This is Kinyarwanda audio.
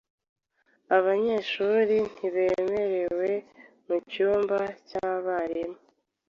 Abanyeshuri ntibemerewe mu cyumba cyabarimu.